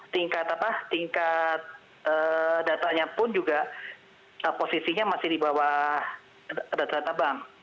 tingkat apa tingkat datanya pun juga posisinya masih di bawah data bank